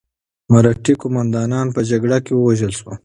مرهټي قوماندانان په جګړه کې ووژل شول.